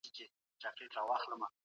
ایا نوي کروندګر وچه میوه پروسس کوي؟